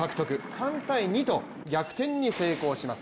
３−２と逆転に成功します。